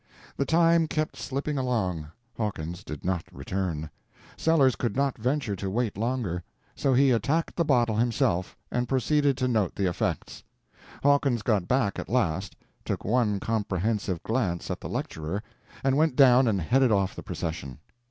The time kept slipping along—Hawkins did not return—Sellers could not venture to wait longer; so he attacked the bottle himself, and proceeded to note the effects. Hawkins got back at last; took one comprehensive glance at the lecturer, and went down and headed off the procession.